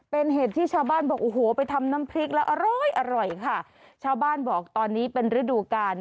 เป็นเห็ดที่ชาวบ้านบอกโอ้โหไปทำน้ำพริกแล้วอร่อยอร่อยค่ะชาวบ้านบอกตอนนี้เป็นฤดูกาล